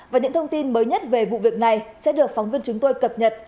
và những thông tin mới nhất về vụ việc này sẽ được phóng viên chúng tôi cập nhật